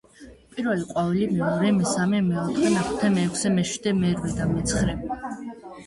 პირველი ყვავილი, მეორე, მესამე, მეოთხე, მეხუთე, მეექვსე, მეშვიდე, მერვე და მეცხრე.